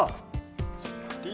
つまり。